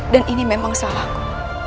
dan ini memang salahku